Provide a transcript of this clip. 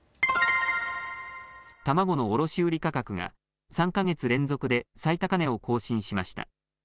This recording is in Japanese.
卵の卸売価格が３か月連続で最高値を更新しました。